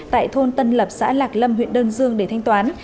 tại thôn tân lập xã lạc lâm huyện đơn dương để thanh toán